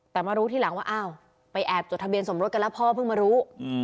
แต่มารู้ทีหลังว่าอ้าวไปแอบจดทะเบียนสมรสกันแล้วพ่อเพิ่งมารู้